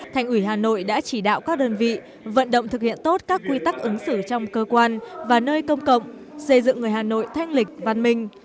thành ủy hà nội đã chỉ đạo các đơn vị vận động thực hiện tốt các quy tắc ứng xử trong cơ quan và nơi công cộng xây dựng người hà nội thanh lịch văn minh